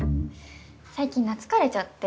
最近懐かれちゃって。